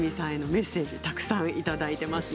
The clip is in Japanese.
メッセージをたくさんいただいています。